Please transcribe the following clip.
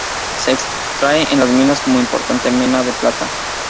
Se extrae en las minas como importante mena de plata.